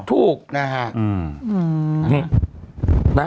ถูกนะฮะ